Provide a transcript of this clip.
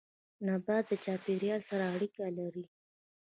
نبات د چاپيريال سره اړيکه لري